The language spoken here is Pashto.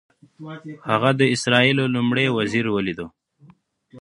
هغه د اسرائیلو لومړي وزیر ولید.